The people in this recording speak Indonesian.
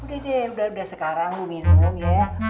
udah deh udah udah sekarang minum ya